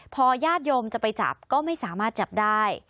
พอญาติโยมจะไปจับก็ไม่สามารถจับได้